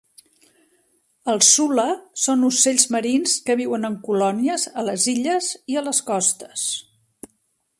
Els sula són ocells marins que viuen en colònies a les illes i a les costes.